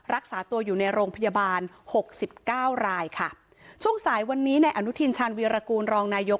รักษาตัวอยู่ในโรงพยาบาลหกสิบเก้ารายค่ะช่วงสายวันนี้ในอนุทินชาญวีรกูลรองนายก